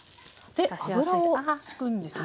で油をしくんですね。